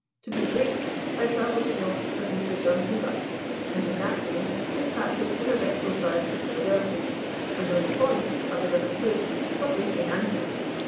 To be brief, I travelled to Nantes as Mr. Jonathan Buck, and in that name took passage in a vessel bound for Philadelphia and on the point (as I understood) of lifting anchor.